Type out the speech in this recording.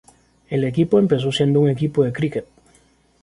El equipo empezó siendo un equipo de Críquet.